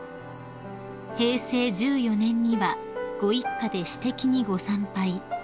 ［平成１４年にはご一家で私的にご参拝］